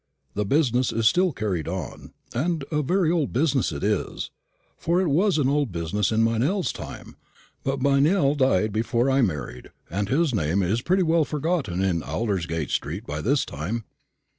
The business is still carried on and a very old business it is, for it was an old business in Meynell's time; but Meynell died before I married, and his name is pretty well forgotten in Aldersgate street by this time."